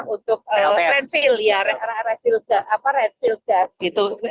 untuk landfill ya landfill gas gitu